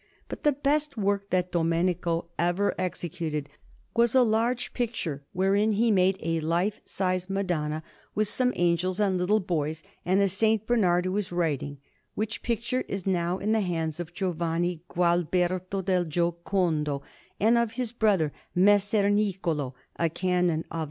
But the best work that Domenico ever executed was a large picture wherein he made a life size Madonna, with some angels and little boys, and a S. Bernard who is writing; which picture is now in the hands of Giovanni Gualberto del Giocondo, and of his brother Messer Niccolò, a Canon of S.